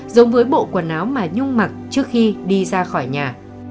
giống với bộ quần áo mà nhung mặc trước khi đi ra khỏi nhà